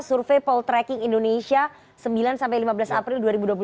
survei poltreking indonesia sembilan lima belas april dua ribu dua puluh